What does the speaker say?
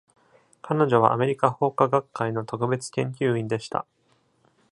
彼女はアメリカ法化学会の特別研究員でした。